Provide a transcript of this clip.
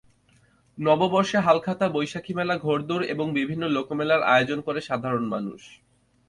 নববর্ষে হালখাতা, বৈশাখী মেলা, ঘোড়দৌড় এবং বিভিন্ন লোকমেলার আয়োজন করে সাধারণ মানুষ।